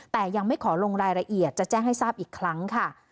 แต่ยังไม่ขอลงรายละเอียดจะแจ้งให้ทราบอีกครั้งค่ะ